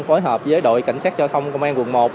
phối hợp với đội cảnh sát giao thông công an quận một